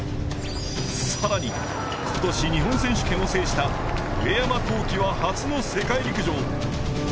更に今年日本選手権を制した上山紘輝は初の世界陸上。